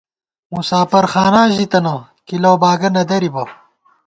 مُساپر خاناں ژی تنہ ، کی لؤ باگہ نہ درِبہ